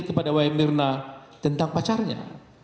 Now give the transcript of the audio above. kepada way mirna tentang pacarnya